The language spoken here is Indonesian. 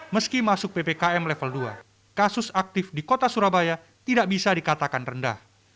meski masuk ppkm level dua kasus aktif di kota surabaya tidak bisa dikatakan rendah